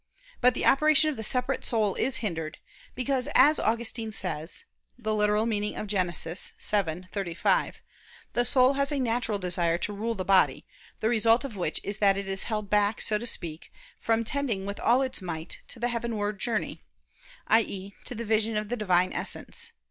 But the operation of the separate soul is hindered; because, as Augustine says (Gen. ad lit. xii, 35), the soul "has a natural desire to rule the body, the result of which is that it is held back, so to speak, from tending with all its might to the heavenward journey," i.e. to the vision of the Divine Essence.